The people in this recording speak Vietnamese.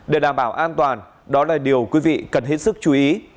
để đảm bảo an toàn đó là điều quý vị cần hết sức chú ý